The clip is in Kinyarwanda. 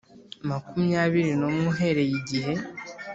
makumyabiri n umwe uhereye igihe